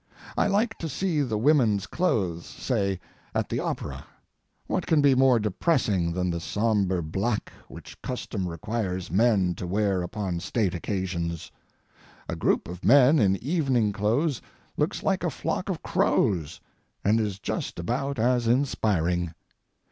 I like to see the women's clothes, say, at the opera. What can be more depressing than the sombre black which custom requires men to wear upon state occasions? A group of men in evening clothes looks like a flock of crows, and is just about as inspiring.